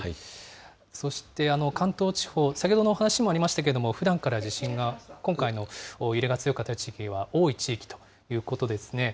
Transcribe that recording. そして関東地方、先ほどの話にもありましたけれども、ふだんから地震が、今回の揺れが強かった地域は多いということですね。